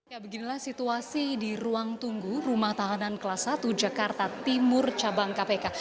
ya beginilah situasi di ruang tunggu rumah tahanan kelas satu jakarta timur cabang kpk